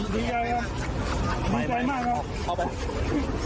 ดีใจครับดีใจมากครับ